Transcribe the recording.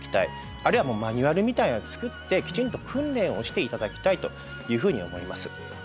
あるいはマニュアルみたいなのを作ってきちんと訓練をして頂きたいというふうに思います。